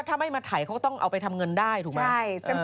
ถ้าไม่มาถ่ายเขาก็ต้องเอาไปทำเงินได้ถูกไหม